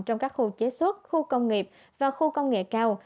trong các khu chế xuất khu công nghiệp và khu công nghệ cao